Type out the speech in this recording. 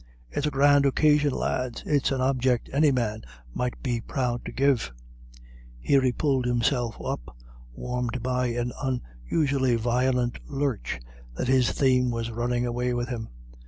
It's a grand occasion, lads; it's an object any man might be proud to give " Here he pulled himself up, warned by an unusually violent lurch that his theme was running away with him.